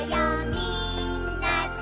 みんなで」